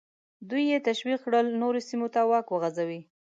دوی یې تشویق کړل نورو سیمو ته واک وغځوي.